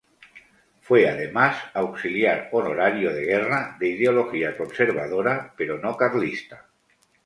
Fue además auxiliar honorario de guerra, de ideología conservadora, pero no carlista.